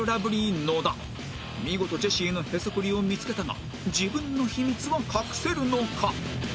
見事ジェシーのへそくりを見つけたが自分の秘密は隠せるのか？